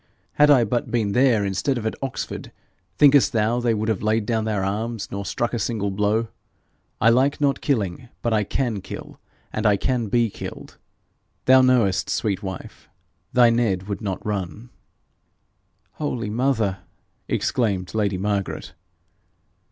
Had I but been there instead of at Oxford, thinkest thou they would have laid down their arms nor struck a single blow? I like not killing, but I can kill, and I can be killed. Thou knowest, sweet wife, thy Ned would not run.' 'Holy mother!' exclaimed lady Margaret.